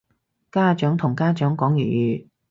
家長同家長講粵語